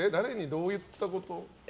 どういったこと。